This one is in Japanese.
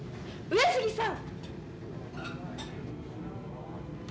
上杉さん！